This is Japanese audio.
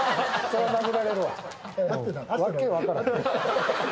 そりゃ殴られるわ。